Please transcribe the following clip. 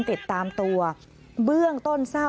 ติดตามตัวเบื้องต้นทราบ